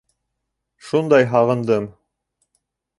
Шундай һағындым.